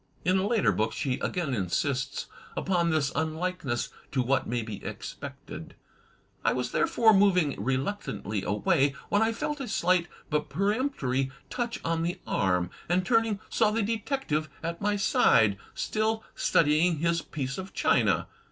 And in a later book she again insists upon this unlikeness to what may be expected: I was therefore moving reluctantly away, when I felt a slight but peremptory touch on the arm, and turning, saw the detective at my side, still studying his piece of china.